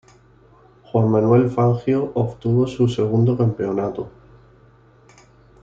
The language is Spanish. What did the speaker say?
Juan Manuel Fangio obtuvo su segundo campeonato.